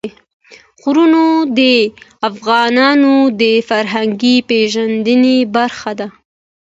غرونه د افغانانو د فرهنګي پیژندنې برخه ده.